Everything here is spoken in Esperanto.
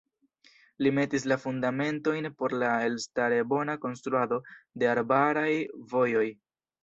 Li metis la fundamentojn por la elstare bona konstruado de arbaraj vojoj.